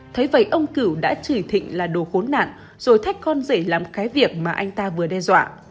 thấy vậy ông cửu đã chửi thịnh là đồ khốn nạn rồi thách con rể làm cái việc mà anh ta vừa đe dọa